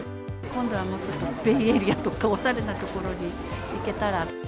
今度はもうちょっと、ベイエリアとか、おしゃれな所に行けたら。